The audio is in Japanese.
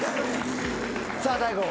さあ大悟。